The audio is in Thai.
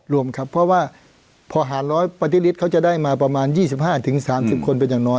รวมครับเพราะว่าพอหาร๑๐๐ปฏิลิตเขาจะได้มาประมาณ๒๕๓๐คนเป็นอย่างน้อย